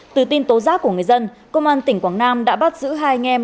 từ tin tố giác của người dân công an tỉnh quảng nam đã bắt giữ hai nghem